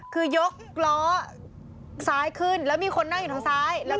คือยกล้อซ้ายขึ้นแล้วมีคนนั่งอยู่ทางซ้าย